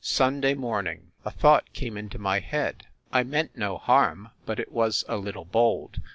Sunday morning. A thought came into my head; I meant no harm; but it was a little bold.